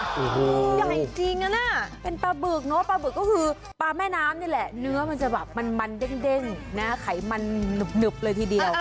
โอ้โหใหญ่จริงนะน่ะเป็นปลาบึกเนอะปลาบึกก็คือปลาแม่น้ำนี่แหละเนื้อมันจะแบบมันเด้งนะไขมันหนึบเลยทีเดียว